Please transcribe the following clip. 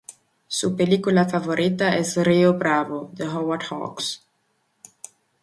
Su película favorita es Río Bravo, de Howard Hawks.